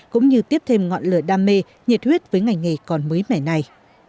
cũng như tiếp thêm ngọn lửa đam mê nhiệt huyết với ngành nghề còn mới mẻ này